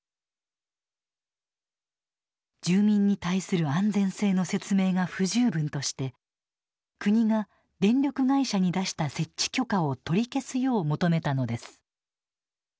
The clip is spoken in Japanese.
住民に対する安全性の説明が不十分として国が電力会社に出した設置許可を取り消すよう求めたのです。